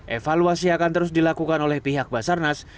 evaluasi akan terus dilakukan oleh pihak basarnas